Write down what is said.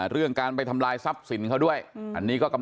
เรื่องการไปธรรมลายทรัพย์สินคะด้วยอันนี้ก็